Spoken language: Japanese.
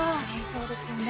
そうですね。